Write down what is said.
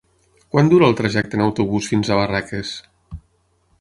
Quant dura el trajecte en autobús fins a Barraques?